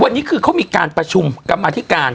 วันนี้คือเขามีการประชุมกรรมาธิการ